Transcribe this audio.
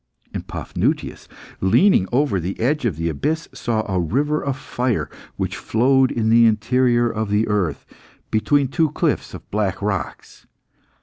And Paphnutius, leaning over the edge of the abyss, saw a river of fire which flowed in the interior of the earth, between two cliffs of black rocks.